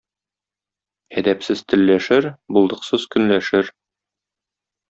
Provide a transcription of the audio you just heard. Әдәпсез телләшер, булдыксыз көнләшер.